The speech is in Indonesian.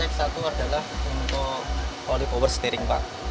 jadi yang kita cek satu adalah untuk oli power steering pak